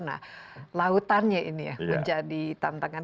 nah lautannya ini ya menjadi tantangan